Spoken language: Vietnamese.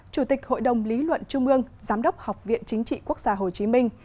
chủ tịch hội đồng lý luận trung ương giám đốc học viện chính trị quốc gia hồ chí minh